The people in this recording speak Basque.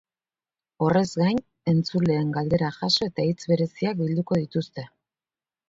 Horrez gain, entzuleen galderak jaso eta hitz bereziak bilduko dituzte.